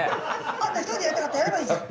あんた一人でやりたかったらやればいいじゃん。